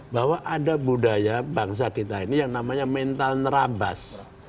bahwa ada budaya bangsa kita ini yang namanya mental nerabas